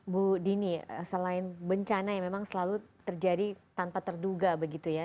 bu dini selain bencana yang memang selalu terjadi tanpa terduga begitu ya